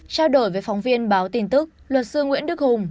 trao đổi với phóng viên báo tin tức luật sư nguyễn đức hùng